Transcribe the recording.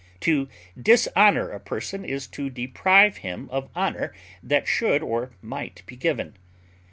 To dishonor a person is to deprive him of honor that should or might be given.